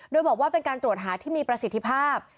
โดยบอกว่าเป็นการตรวจหาที่มีประสิทธิภาพ